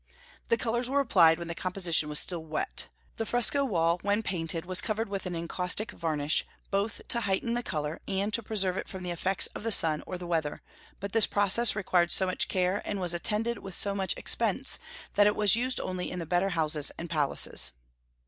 The colors were applied when the composition was still wet. The fresco wall, when painted, was covered with an encaustic varnish, both to heighten the color and to preserve it from the effects of the sun or the weather; but this process required so much care, and was attended with so much expense, that it was used only in the better houses and palaces."